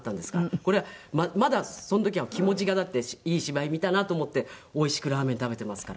これはまだその時は気持ちがだっていい芝居見たなと思っておいしくラーメン食べていますから。